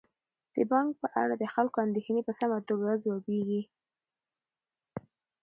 د بانک په اړه د خلکو اندیښنې په سمه توګه ځوابیږي.